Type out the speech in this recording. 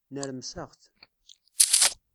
Nermseɣ-t.